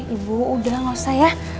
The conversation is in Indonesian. ibu udah gak usah ya